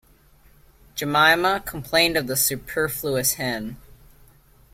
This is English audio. Jemima complained of the superfluous hen.